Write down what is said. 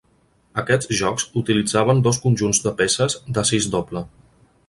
Aquests jocs utilitzaven dos conjunts de peces de "sis doble".